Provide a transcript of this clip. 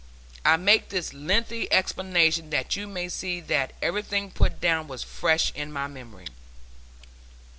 I make this lengthy explanation that you may see that everything put down was fresh in my memory.